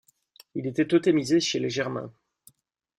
Il était totémisé chez les Germains.